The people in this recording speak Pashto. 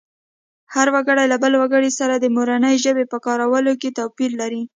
هر وګړی له بل وګړي سره د مورنۍ ژبې په کارولو کې توپیر لري